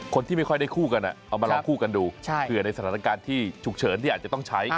คนที่ไม่ค่อยได้คู่กันเอามาลองคู่กันดูเผื่อในสถานการณ์ที่ฉุกเฉินที่อาจจะต้องใช้